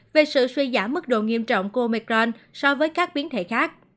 về sự suy giảm mức độ nghiêm trọng của micron so với các biến thể khác